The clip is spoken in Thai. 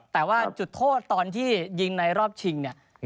แต่ว่าจุดโทษตอนที่ยิงในรอบชิงเนี่ย